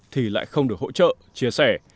thì lại không được hỗ trợ chia sẻ